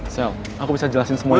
sel aku bisa jelasin semua itu